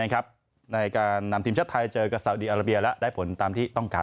ได้การนำทีมช่วยภาพไทยเจอกับซาอุดีอลาเบียแล้วได้ผลกับตามที่ต้องการ